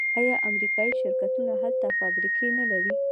آیا امریکایی شرکتونه هلته فابریکې نلري؟